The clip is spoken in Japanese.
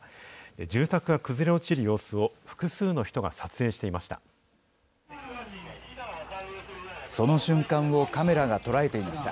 住宅が崩れ落ちる様子を、複数の人が撮影していました。